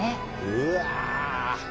うわ。